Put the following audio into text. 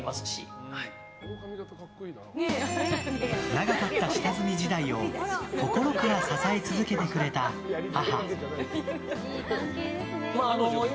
長かった下積み時代を心から支え続けてくれた母。